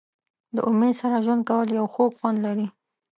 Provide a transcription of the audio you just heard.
د امید سره ژوند کول یو خوږ خوند لري.